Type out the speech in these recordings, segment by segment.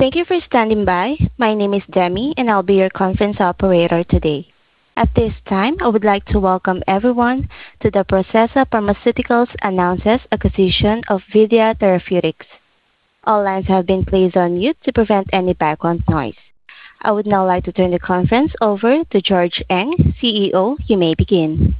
Thank you for standing by. My name is Demi, and I'll be your conference operator today. At this time, I would like to welcome everyone to the Processa Pharmaceuticals Announces Acquisition of Vidya Therapeutics. All lines have been placed on mute to prevent any background noise. I would now like to turn the conference over to George Ng, CEO. You may begin.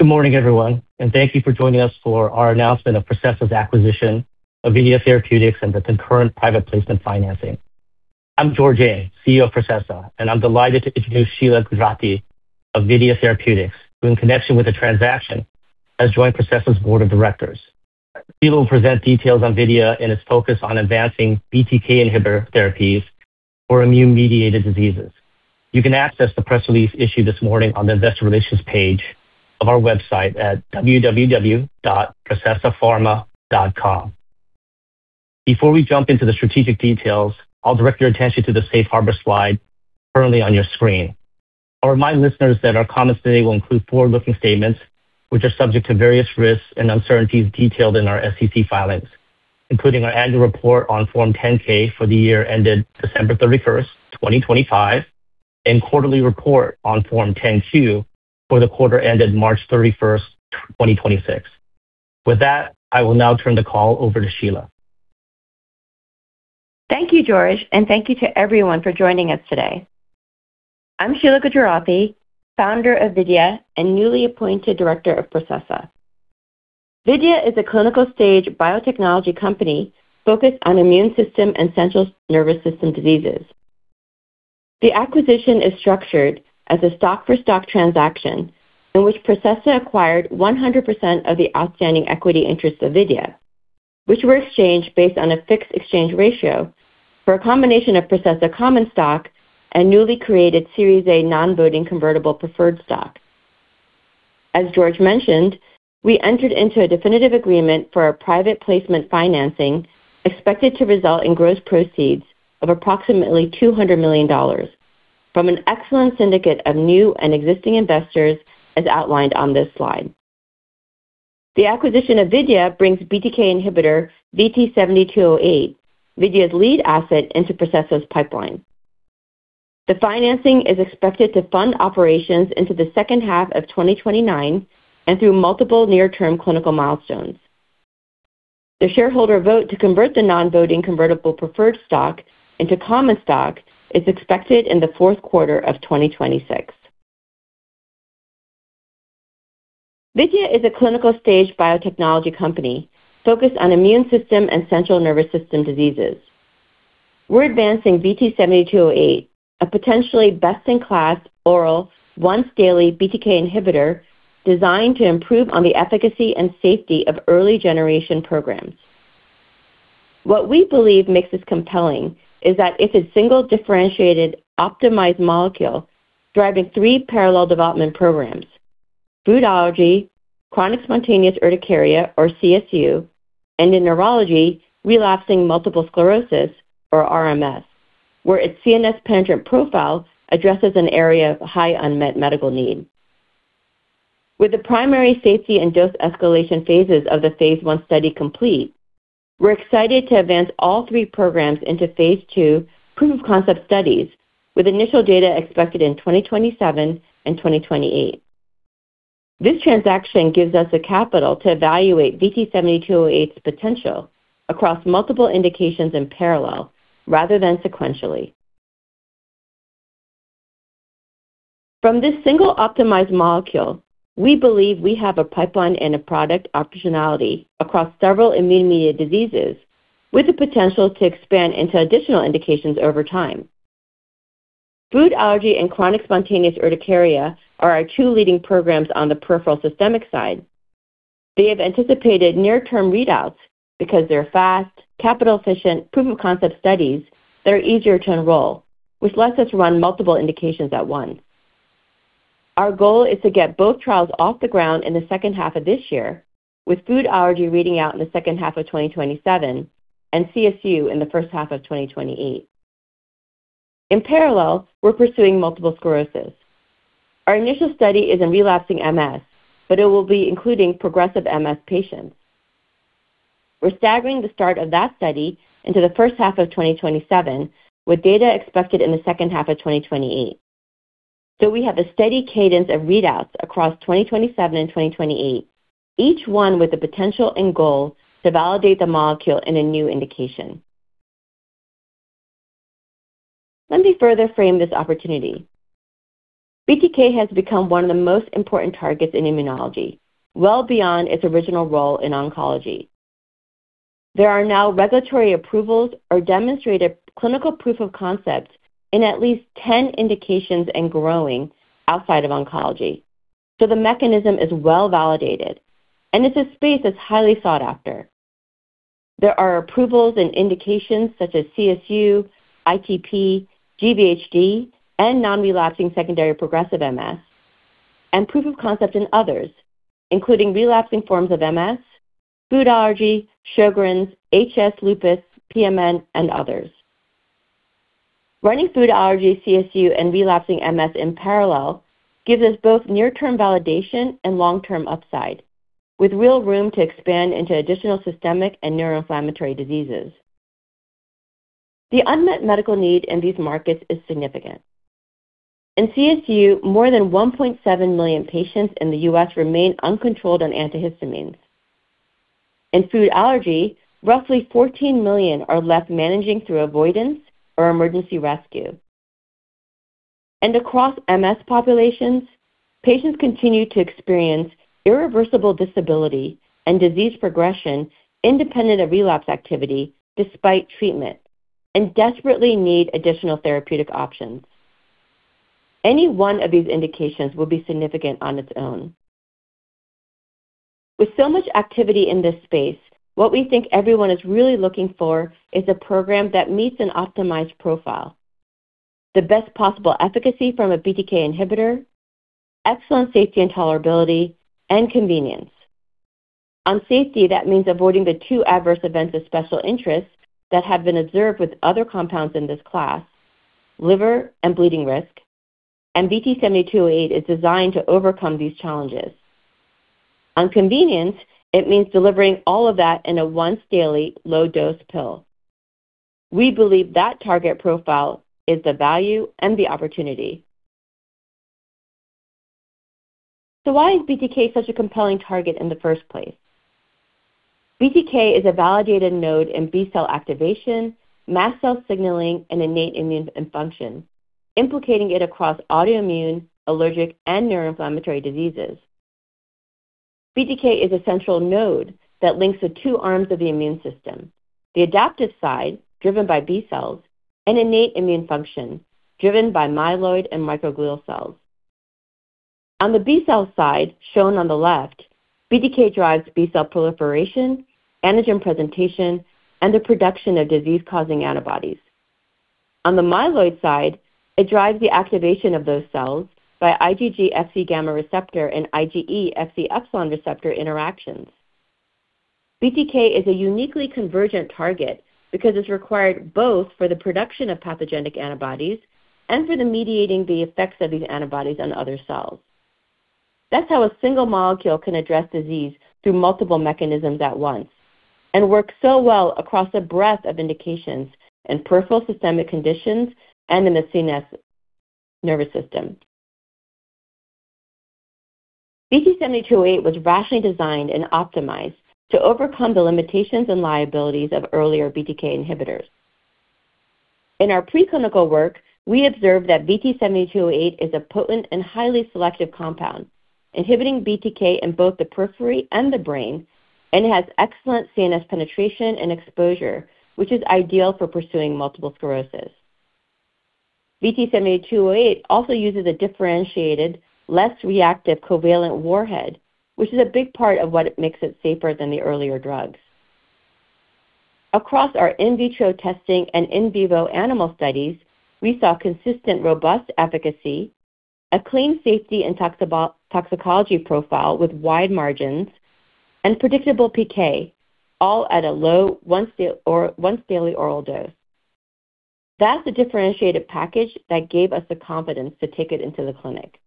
Good morning, everyone, and thank you for joining us for our announcement of Processa's acquisition of Vidya Therapeutics and the concurrent private placement financing. I'm George Ng, CEO of Processa, and I'm delighted to introduce Sheila Gujrathi of Vidya Therapeutics, who in connection with the transaction, has joined Processa's Board of Directors. Sheila will present details on Vidya and its focus on advancing BTK inhibitor therapies for immune-mediated diseases. You can access the press release issued this morning on the investor relations page of our website at www.processapharma.com. Before we jump into the strategic details, I'll direct your attention to the safe harbor slide currently on your screen. I'll remind listeners that our comments today will include forward-looking statements, which are subject to various risks and uncertainties detailed in our SEC filings, including our annual report on Form 10-K for the year ended December 31st, 2025, and quarterly report on Form 10-Q for the quarter ended March 31st, 2026. With that, I will now turn the call over to Sheila. Thank you, George, and thank you to everyone for joining us today. I'm Sheila Gujrathi, Founder of Vidya and newly appointed Director of Processa. Vidya is a clinical-stage biotechnology company focused on immune system and central nervous system diseases. The acquisition is structured as a stock-for-stock transaction in which Processa acquired 100% of the outstanding equity interest of Vidya, which were exchanged based on a fixed exchange ratio for a combination of Processa common stock and newly created Series A non-voting convertible preferred stock. As George mentioned, we entered into a definitive agreement for a private placement financing expected to result in gross proceeds of approximately $200 million from an excellent syndicate of new and existing investors, as outlined on this slide. The acquisition of Vidya brings BTK inhibitor VT-7208, Vidya's lead asset, into Processa's pipeline. The financing is expected to fund operations into the second half of 2029 and through multiple near-term clinical milestones. The shareholder vote to convert the Series A non-voting convertible preferred stock into common stock is expected in the fourth quarter of 2026. Vidya is a clinical-stage biotechnology company focused on immune system and central nervous system diseases. We're advancing VT-7208, a potentially best-in-class oral once-daily BTK inhibitor designed to improve on the efficacy and safety of early-generation programs. What we believe makes this compelling is that it's a single differentiated, optimized molecule driving three parallel development programs, food allergy, chronic spontaneous urticaria, or CSU, and in neurology, relapsing multiple sclerosis, or RMS, where its CNS penetrant profile addresses an area of high unmet medical need. With the primary safety and dose escalation phases of the phase I study complete, we're excited to advance all three programs into phase II proof-of-concept studies, with initial data expected in 2027 and 2028. This transaction gives us the capital to evaluate VT-7208's potential across multiple indications in parallel rather than sequentially. From this single optimized molecule, we believe we have a pipeline and a product optionality across several immune-mediated diseases with the potential to expand into additional indications over time. Food allergy and chronic spontaneous urticaria are our two leading programs on the peripheral systemic side. They have anticipated near-term readouts because they're fast, capital-efficient proof-of-concept studies that are easier to enroll, which lets us run multiple indications at once. Our goal is to get both trials off the ground in the second half of this year, with food allergy reading out in the second half of 2027 and CSU in the first half of 2028. In parallel, we're pursuing multiple sclerosis. Our initial study is in relapsing MS, but it will be including progressive MS patients. We're staggering the start of that study into the first half of 2027, with data expected in the second half of 2028. We have a steady cadence of readouts across 2027 and 2028, each one with the potential and goal to validate the molecule in a new indication. Let me further frame this opportunity. BTK has become one of the most important targets in immunology, well beyond its original role in oncology. There are now regulatory approvals or demonstrated clinical proof of concepts in at least 10 indications and growing outside of oncology. The mechanism is well-validated, and it's a space that's highly sought after. There are approvals and indications such as CSU, ITP, GVHD, and non-relapsing secondary progressive MS, and proof of concept in others, including relapsing forms of MS, food allergy, Sjögren's, HS, lupus, PMR, and others. Running food allergy, CSU, and relapsing MS in parallel gives us both near-term validation and long-term upside, with real room to expand into additional systemic and neuroinflammatory diseases. The unmet medical need in these markets is significant. In CSU, more than 1.7 million patients in the U.S. remain uncontrolled on antihistamines. In food allergy, roughly 14 million are left managing through avoidance or emergency rescue. Across MS populations, patients continue to experience irreversible disability and disease progression independent of relapse activity despite treatment, desperately need additional therapeutic options. Any one of these indications will be significant on its own. With so much activity in this space, what we think everyone is really looking for is a program that meets an optimized profile, the best possible efficacy from a BTK inhibitor, excellent safety and tolerability, and convenience. On safety, that means avoiding the two adverse events of special interest that have been observed with other compounds in this class, liver and bleeding risk, VT-7208 is designed to overcome these challenges. On convenience, it means delivering all of that in a once-daily, low-dose pill. We believe that target profile is the value and the opportunity. Why is BTK such a compelling target in the first place? BTK is a validated node in B-cell activation, mast cell signaling, and innate immune function, implicating it across autoimmune, allergic, and neuroinflammatory diseases. BTK is a central node that links the two arms of the immune system, the adaptive side, driven by B-cells, and innate immune function, driven by myeloid and microglial cells. On the B-cell side, shown on the left, BTK drives B-cell proliferation, antigen presentation, and the production of disease-causing antibodies. On the myeloid side, it drives the activation of those cells by IgG Fc gamma receptor and IgE Fc epsilon receptor interactions. BTK is a uniquely convergent target because it's required both for the production of pathogenic antibodies and for the mediating the effects of these antibodies on other cells. That's how a single molecule can address disease through multiple mechanisms at once and work so well across a breadth of indications in peripheral systemic conditions and in the CNS nervous system. VT-7208 was rationally designed and optimized to overcome the limitations and liabilities of earlier BTK inhibitors. In our preclinical work, we observed that VT-7208 is a potent and highly selective compound, inhibiting BTK in both the periphery and the brain, and it has excellent CNS penetration and exposure, which is ideal for pursuing multiple sclerosis. VT-7208 also uses a differentiated, less reactive covalent warhead, which is a big part of what makes it safer than the earlier drugs. Across our in vitro testing and in vivo animal studies, we saw consistent, robust efficacy, a clean safety and toxicology profile with wide margins, and predictable PK, all at a low once-daily oral dose. That's a differentiated package that gave us the confidence to take it into the clinic.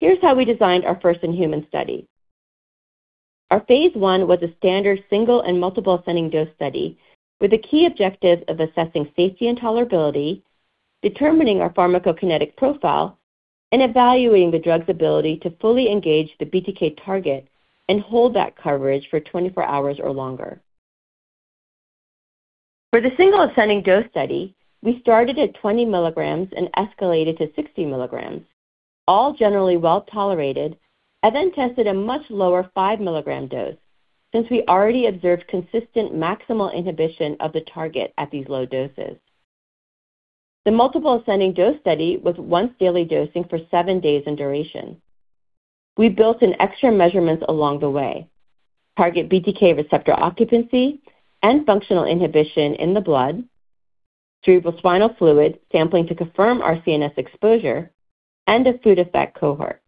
Here's how we designed our first human study. Our phase I was a standard single and multiple ascending dose study with a key objective of assessing safety and tolerability, determining our pharmacokinetic profile, and evaluating the drug's ability to fully engage the BTK target and hold that coverage for 24 hours or longer. For the single ascending dose study, we started at 20 mg and escalated to 60mg, all generally well-tolerated, and then tested a much lower 5mg dose, since we already observed consistent maximal inhibition of the target at these low doses. The multiple ascending dose study was once-daily dosing for seven days in duration. We built in extra measurements along the way: target BTK receptor occupancy and functional inhibition in the blood, cerebral spinal fluid sampling to confirm our CNS exposure, and a food effect cohort.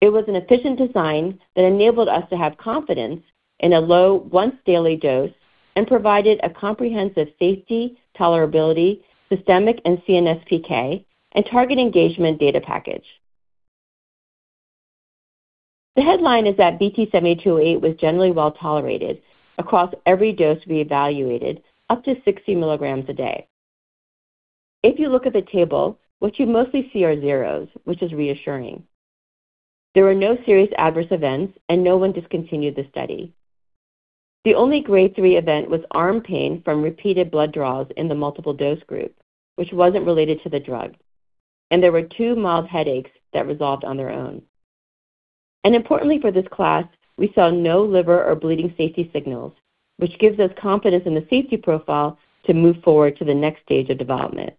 It was an efficient design that enabled us to have confidence in a low once-daily dose and provided a comprehensive safety, tolerability, systemic and CNS PK, and target engagement data package. The headline is that VT-7208 was generally well-tolerated across every dose we evaluated, up to 60 mg a day. If you look at the table, what you mostly see are zeros, which is reassuring. There were no serious adverse events, and no one discontinued the study. The only grade 3 event was arm pain from repeated blood draws in the multiple-dose group, which wasn't related to the drug, and there were two mild headaches that resolved on their own. Importantly for this class, we saw no liver or bleeding safety signals, which gives us confidence in the safety profile to move forward to the next stage of development.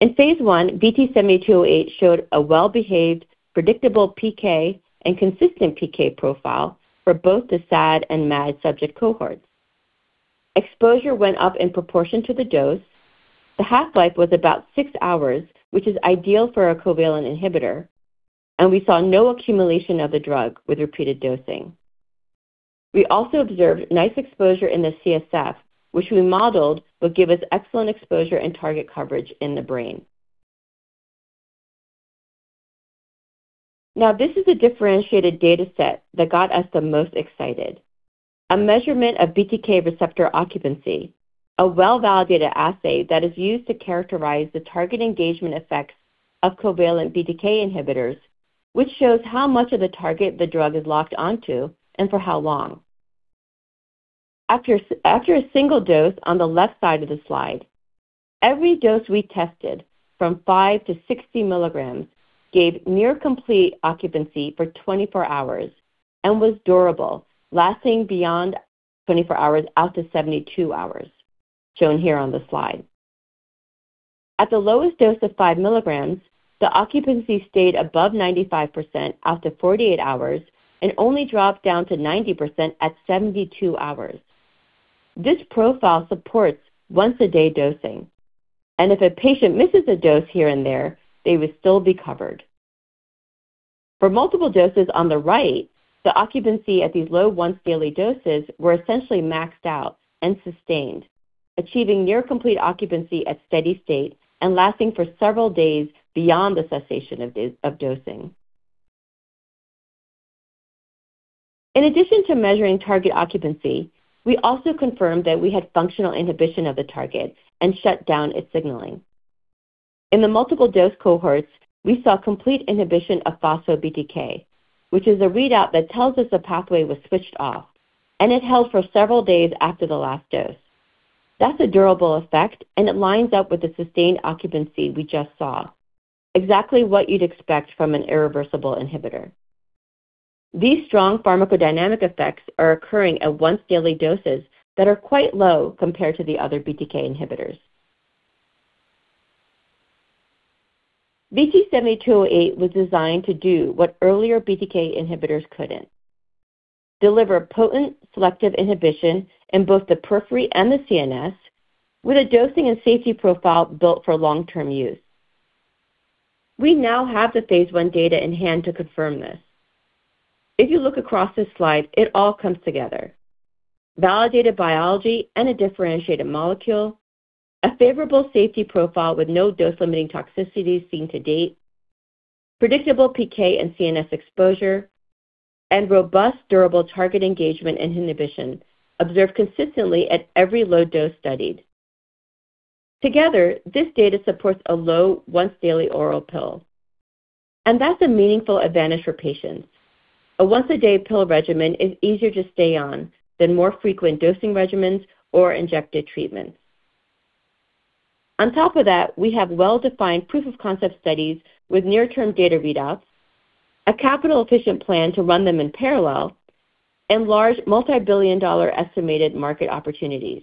In phase I, VT-7208 showed a well-behaved, predictable PK and consistent PK profile for both the SAD and MAD subject cohorts. Exposure went up in proportion to the dose. The half-life was about six hours, which is ideal for a covalent inhibitor, and we saw no accumulation of the drug with repeated dosing. We also observed nice exposure in the CSF, which we modeled would give us excellent exposure and target coverage in the brain. This is a differentiated data set that got us the most excited. A measurement of BTK receptor occupancy, a well-validated assay that is used to characterize the target engagement effects of covalent BTK inhibitors, which shows how much of the target the drug is locked onto and for how long. After a single dose on the left side of the slide, every dose we tested from 5-60 mg gave near complete occupancy for 24 hours and was durable, lasting beyond 24 hours, out to 72 hours, shown here on the slide. At the lowest dose of 5 mg, the occupancy stayed above 95% out to 48 hours and only dropped down to 90% at 72 hours. This profile supports once-a-day dosing, and if a patient misses a dose here and there, they would still be covered. For multiple doses on the right, the occupancy at these low once-daily doses were essentially maxed out and sustained, achieving near complete occupancy at steady state and lasting for several days beyond the cessation of dosing. In addition to measuring target occupancy, we also confirmed that we had functional inhibition of the target and shut down its signaling. In the multiple dose cohorts, we saw complete inhibition of phospho-BTK, which is a readout that tells us the pathway was switched off, and it held for several days after the last dose. That's a durable effect, and it lines up with the sustained occupancy we just saw, exactly what you'd expect from an irreversible inhibitor. These strong pharmacodynamic effects are occurring at once-daily doses that are quite low compared to the other BTK inhibitors. VT-7208 was designed to do what earlier BTK inhibitors couldn't: deliver potent selective inhibition in both the periphery and the CNS with a dosing and safety profile built for long-term use. We now have the phase I data in hand to confirm this. If you look across this slide, it all comes together. Validated biology and a differentiated molecule, a favorable safety profile with no dose-limiting toxicities seen to date, predictable PK and CNS exposure, and robust, durable target engagement and inhibition observed consistently at every low dose studied. Together, this data supports a low once-daily oral pill. That's a meaningful advantage for patients. A once-a-day pill regimen is easier to stay on than more frequent dosing regimens or injected treatments. On top of that, we have well-defined proof of concept studies with near-term data readouts, a capital-efficient plan to run them in parallel, and large multi-billion dollar estimated market opportunities.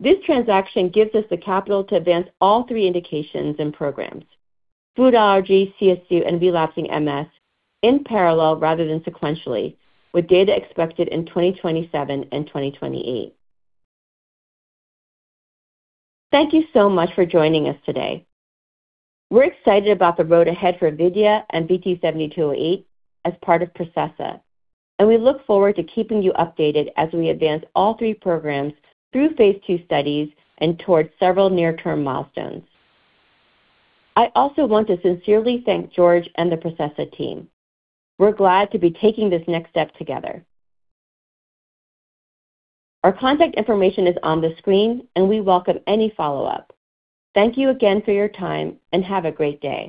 This transaction gives us the capital to advance all three indications and programs, food allergy, CSU, and relapsing MS, in parallel rather than sequentially, with data expected in 2027 and 2028. Thank you so much for joining us today. We're excited about the road ahead for Vidya and VT-7208 as part of Processa. We look forward to keeping you updated as we advance all three programs through phase II studies and towards several near-term milestones. I also want to sincerely thank George and the Processa team. We're glad to be taking this next step together. Our contact information is on the screen. We welcome any follow-up. Thank you again for your time. Have a great day.